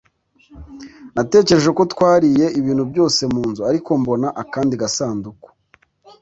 natekereje ko twariye ibintu byose munzu, ariko mbona akandi gasanduku